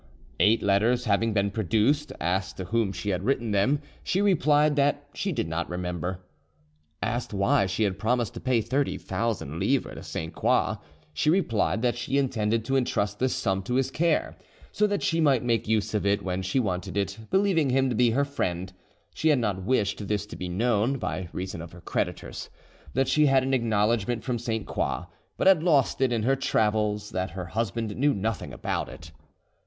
Eight letters having been produced, asked to whom she had written them, she replied that she did not remember. Asked why she had promised to pay 30,000 livres to Sainte Croix, she replied that she intended to entrust this sum to his care, so that she might make use of it when she wanted it, believing him to be her friend; she had not wished this to be known, by reason of her creditors; that she had an acknowledgment from Sainte Croix, but had lost it in her travels; that her husband knew nothing about it.